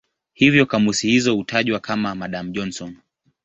Hivyo kamusi hizo hutajwa kama "Madan-Johnson".